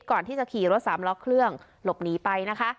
ก่อนที่จะขี่รถสามล็อกเครื่องหลบหนีไปนะคะ